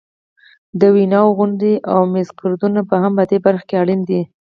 د ویناوو غونډې او میزګردونه هم په دې برخه کې اړین دي.